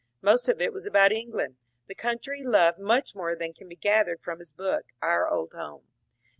Most of it was about England, the country he loved much more than can be gathered from his book, ^^ Our Old Home."